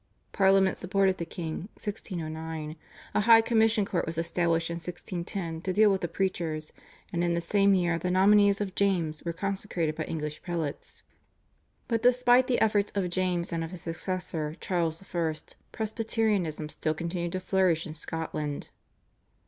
Parliament supported the king (1609); a High Commission Court was established in 1610 to deal with the preachers, and in the same year the nominees of James were consecrated by English prelates. But despite the efforts of James and of his successor Charles I., Presbyterianism still continued to flourish in Scotland.